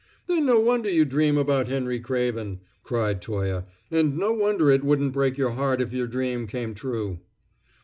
"Then no wonder you dream about Henry Craven," cried Toye, "and no wonder it wouldn't break your heart if your dream came true."